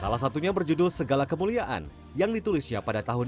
salah satunya berjudul segala kemuliaan yang ditulisnya pada tahun dua ribu